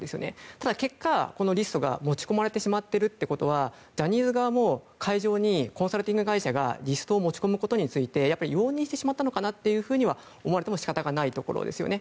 ただ、結果リストが持ち込まれてしまっているということはジャニーズ側も会場にコンサルティング会社がリストを持ち込むことについて容認してしまったのかなと思われても仕方がないところですよね。